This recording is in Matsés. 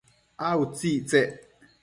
a utsictsec?